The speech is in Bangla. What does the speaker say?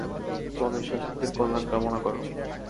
তোমাদের শাসকদের কল্যাণ কামনা কর।